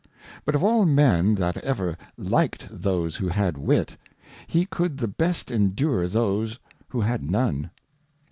But of all Men that ever liked those who had Wit, he could the best endure those who had none.